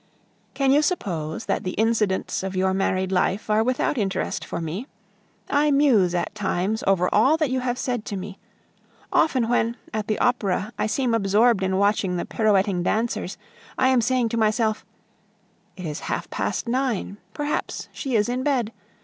Can you suppose that the incidents of your married life are without interest for me? I muse at times over all that you have said to me. Often when, at the Opera, I seem absorbed in watching the pirouetting dancers, I am saying to myself, "It is half past nine, perhaps she is in bed.